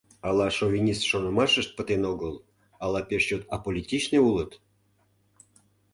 Ала шовинист шонымашышт пытен огыл, ала пеш чот аполитичный улыт.